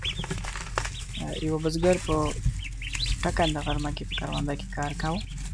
یوه بزګر په ټکنده غرمه کې په کرونده کې کار کاوه.